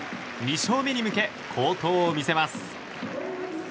２勝目に向け好投を見せます。